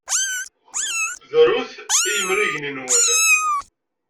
Brut i yemrigen-nwen!